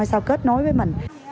hay sao kết nối với mình